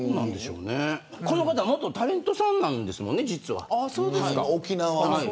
この方元タレントさんなんです、実は。